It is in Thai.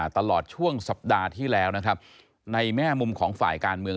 ตลอดช่วงสัปดาห์ที่แล้วนะครับในแง่มุมของฝ่ายการเมือง